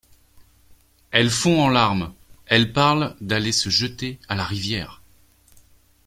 Elle fond en larmes, elle parle d’aller se jeter à la rivière...